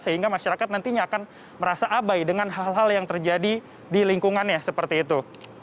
sehingga masyarakat nantinya akan merasa abai dengan hal hal yang terjadi di lingkungannya seperti itu